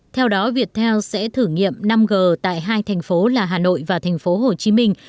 theo đó viettel sẽ thử nghiệm năm g tại hai thành phố là hà nội và thành phố hồ chí minh